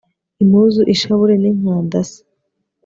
impuzu, ishabure n'inkanda se